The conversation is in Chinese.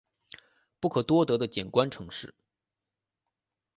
不可多得的景观城市